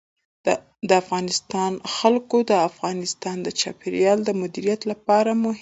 د افغانستان جلکو د افغانستان د چاپیریال د مدیریت لپاره مهم دي.